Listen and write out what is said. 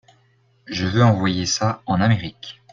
Je veux envoyer ça en Amérique.